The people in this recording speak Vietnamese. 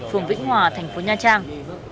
phường vĩnh hòa thành phố nha trang